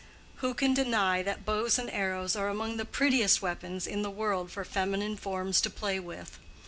Who can deny that bows and arrows are among the prettiest weapons in the world for feminine forms to play with?